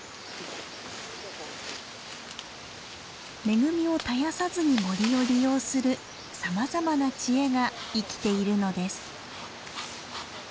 恵みを絶やさずに森を利用するさまざまな知恵が生きているのです。